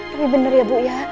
tapi benar ya bu ya